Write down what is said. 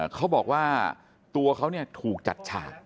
เขาบอกว่าตัวเขาถูกจัดฉาก